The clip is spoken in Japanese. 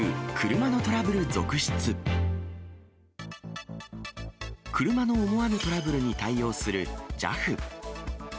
車の思わぬトラブルに対応するＪＡＦ。